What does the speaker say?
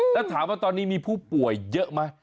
แล้วถามว่าตอนนี้มีผู้ป่วยเยอะไหม